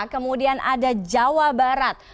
kemudian ada jawa barat